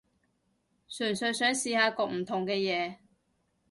純粹想試下焗唔同嘅嘢